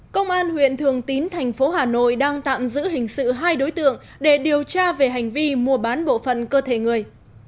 công an huyện thường tín thành phố hà nội đang tạm giữ hình sự hai đối tượng để điều tra về hành vi mua bán bộ phận cơ thể người